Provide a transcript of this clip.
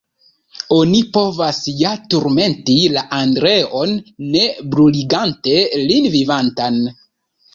Oni povas ja turmenti la Andreon, ne bruligante lin vivantan.